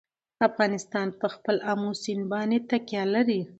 افغانستان په خپل آمو سیند باندې تکیه لري.